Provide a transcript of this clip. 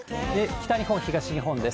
北日本、東日本です。